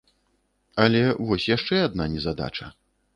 Але вось яшчэ адна незадача!